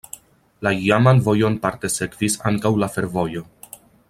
La iaman vojon parte sekvis ankaŭ la fervojo.